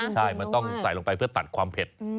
ใช่มันต้องใส่ลงไปเพื่อตัดความเผ็ด